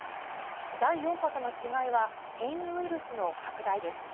第４波との違いは、変異ウイルスの拡大です。